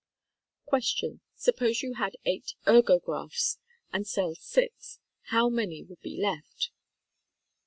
Q. Suppose you had eight ergographs and sell six. How many would be left